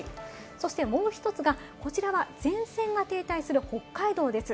そしてもう一つが、こちらは前線が停滞する北海道です。